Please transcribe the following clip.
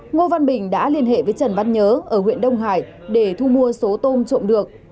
ngô văn bình đã liên hệ với trần văn nhớ ở huyện đông hải để thu mua số tôm trộm được